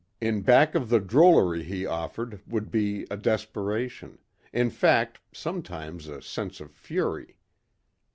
In back of the drollery he offered would be a desperation, in fact, sometimes a sense of fury.